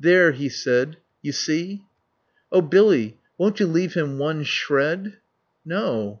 "There," he said, "you see." "Oh, Billy, won't you leave him one shred?" "No.